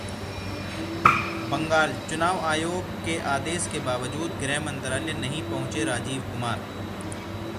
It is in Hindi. बंगाल: चुनाव आयोग के आदेश के बावजूद गृह मंत्रालय नहीं पहुंचे राजीव कुमार